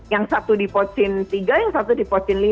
yang satu di pocin tiga yang satu di pocin lima